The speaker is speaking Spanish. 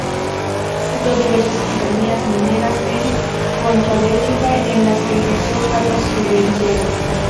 Fundó diversas compañías mineras en Huancavelica, en las que ejerció cargos gerenciales.